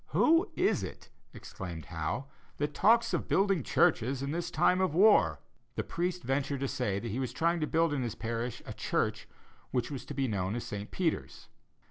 "Who is it," exclaimed Howe, "that talks of building churches in this time of war?" The priest ventured to say that he was trying to build in his parish a church which was to be known as St. Peter's.